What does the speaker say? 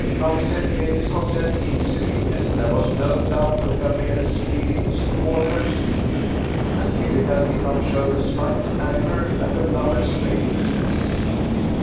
Count Z. gave his consent easily, as there was no doubt of Gabrielle's feelings toward her suitor. Angelica did not show the slightest anger at her lover's faithlessness.